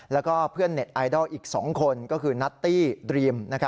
แล้วก็เพื่อนเน็ตไอดอลอีก๒คนก็คือนัตตี้ดรีม